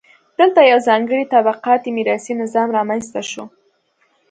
دلته یو ځانګړی طبقاتي میراثي نظام رامنځته شو.